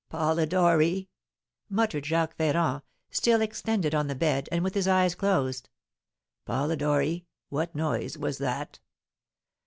"Polidori!" muttered Jacques Ferrand, still extended on the bed, and with his eyes closed. "Polidori, what noise was that?"